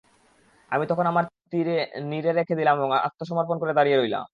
আমি তখন আমার তীর নীরে রেখে দিলাম এবং আত্মসমর্পণ করে দাঁড়িয়ে রইলাম।